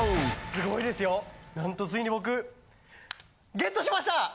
すごいですよなんとついに僕ゲットしました！